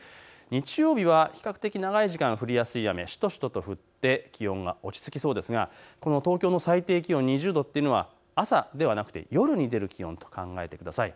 日曜日は比較的長い時間降りやすい雨、しとしとと降って気温が落ち着きそうですが、東京の最低気温２０度というのは朝ではなくて夜に出る気温と考えてください。